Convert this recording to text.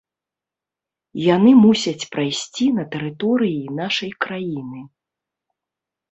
Яны мусяць прайсці на тэрыторыі нашай краіны.